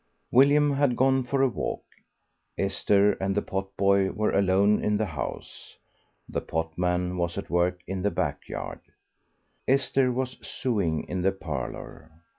William had gone for a walk. Esther and the potboy were alone in the house. The potman was at work in the backyard, Esther was sewing in the parlour.